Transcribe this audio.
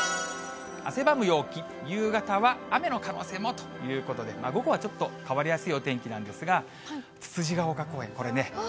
汗ばむ陽気、夕方は雨の可能性もということで、午後はちょっと変わりやすいお天気なんですが、きれい。